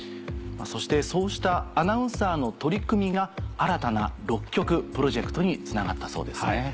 そしてそうしたアナウンサーの取り組みが新たな６局プロジェクトにつながったそうですね。